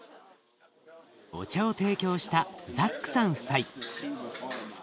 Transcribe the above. お茶を提供したザックさん夫妻。